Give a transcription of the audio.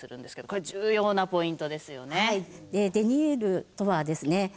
デニールとはですね